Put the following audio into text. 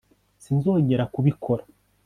sinzongera kubikora